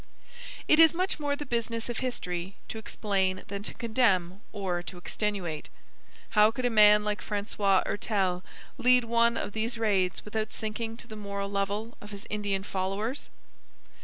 It is much more the business of history to explain than to condemn or to extenuate. How could a man like Francois Hertel lead one of these raids without sinking to the moral level of his Indian followers?